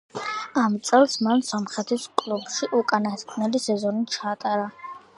ამ წელს მან სომხეთის კლუბში უკანასკნელი სეზონი ჩაატარა.